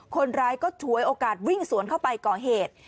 คนร้ายก็ฉวยโอกาสวิ่งสวนเข้าไปก่อเหตุ